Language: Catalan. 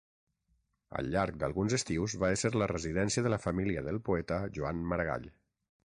Al llarg d'alguns estius va esser la residència de la família del poeta Joan Maragall.